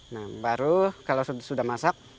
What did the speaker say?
nah baru kalau sudah masak